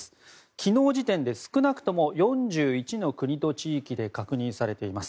昨日時点で少なくとも４１の国と地域で確認されています。